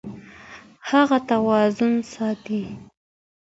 هغه توازن ساتي.